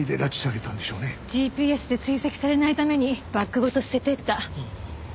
ＧＰＳで追跡されないためにバッグごと捨てていった。